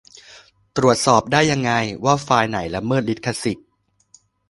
ตรวจสอบได้ยังไง ว่า ไฟล์ไหนละเมิดลิขสิทธิ์